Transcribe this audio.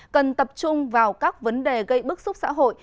cần tập trung vào các vấn đề gây bức xúc xã hội